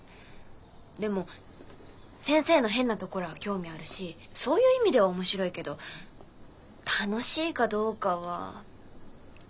でも先生の「変」なところは興味あるしそういう意味ではおもしろいけど楽しいかどうかは。